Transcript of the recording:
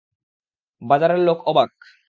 বাজারের লোক অবাক!